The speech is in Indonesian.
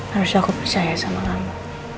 harusnya aku percaya sama kamu